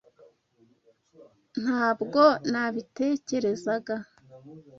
Ntabwo nabitekerezaga.